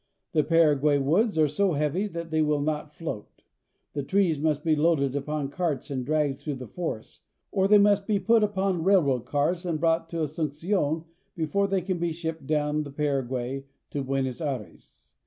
The Paraguay woods are so heavy that they will not float. The trees must be loaded upon carts and dragged through the forests, or they must be put upon railroad cars and brought to Asuncion before they can be shipped down the Paraguay to Buenos Aires.